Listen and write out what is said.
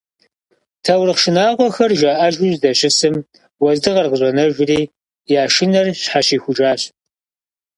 Таурыхъ шынагъуэхэр жаӏэжу здэщысым, уэздыгъэр къыщӏэнэжыри, я шынэр щхьэщихужащ.